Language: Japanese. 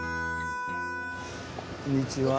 こんにちは。